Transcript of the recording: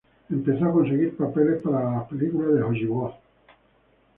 Empezó a conseguir papeles para películas de Hollywood.